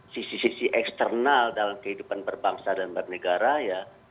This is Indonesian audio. sisi sisi eksternal dalam kehidupan berbangsa dan bernegara ya